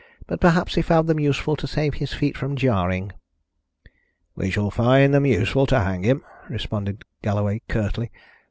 But perhaps he found them useful to save his feet from jarring." "We shall find them useful to hang him," responded Galloway curtly.